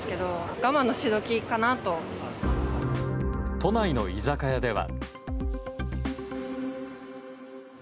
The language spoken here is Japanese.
都内の居酒屋では。